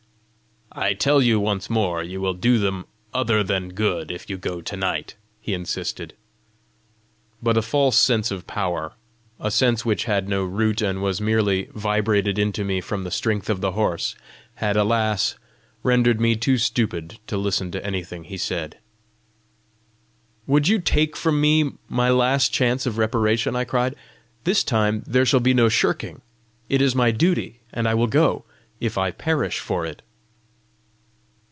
"I tell you once more you will do them other than good if you go to night," he insisted. But a false sense of power, a sense which had no root and was merely vibrated into me from the strength of the horse, had, alas, rendered me too stupid to listen to anything he said! "Would you take from me my last chance of reparation?" I cried. "This time there shall be no shirking! It is my duty, and I will go if I perish for it!"